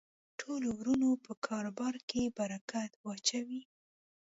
ټولو ورونو په کاربار کی برکت واچوی